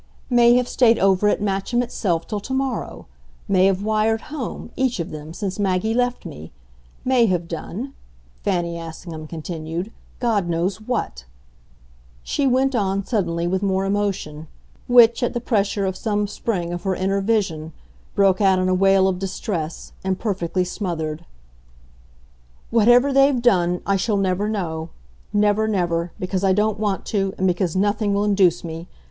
"May have stayed over at Matcham itself till tomorrow. May have wired home, each of them, since Maggie left me. May have done," Fanny Assingham continued, "God knows what!" She went on, suddenly, with more emotion which, at the pressure of some spring of her inner vision, broke out in a wail of distress, imperfectly smothered. "Whatever they've done I shall never know. Never, never because I don't want to, and because nothing will induce me.